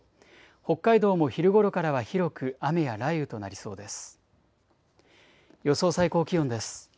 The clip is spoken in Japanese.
北海道も昼ごろからは広く雨や雷雨となりそうです。